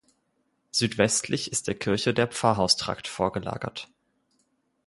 Südwestlich ist der Kirche der Pfarrhaustrakt vorgelagert.